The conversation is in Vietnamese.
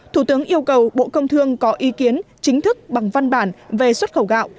thủ tướng yêu cầu bộ công thương có ý kiến chính thức bằng văn bản về xuất khẩu gạo